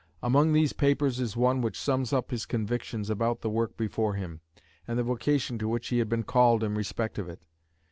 Among these papers is one which sums up his convictions about the work before him, and the vocation to which he had been called in respect of it.